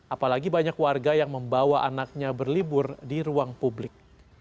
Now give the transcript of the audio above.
apalagi banyak warga yang membawa anaknya berlibur di ruang publik